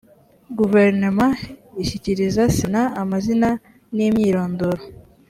guverinoma ishyikiriza sena amazina n ‘imyirondoro.